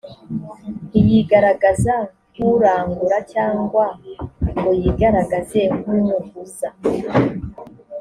ntiyigaragaza nk urangura cyangwa ngo yigaragaze nk umuguza